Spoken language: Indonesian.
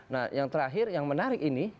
nah yang terakhir yang menarik ini